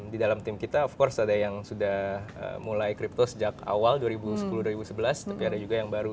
di dalam tim kita of course ada yang sudah mulai crypto sejak awal dua ribu sepuluh dua ribu sebelas tapi ada juga yang baru